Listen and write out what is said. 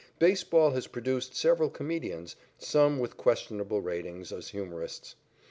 Baseball has produced several comedians, some with questionable ratings as humorists.